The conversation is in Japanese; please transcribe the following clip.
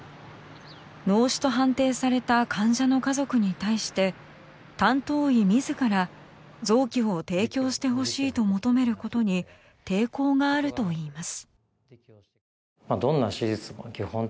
脳死と判定された患者の家族に対して担当医自ら「臓器を提供してほしい」と求めることに抵抗があるといいます。